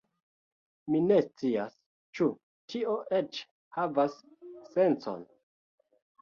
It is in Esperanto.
Mi ne scias, ĉu tio eĉ havas sencon.